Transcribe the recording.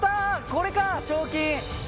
これか賞金。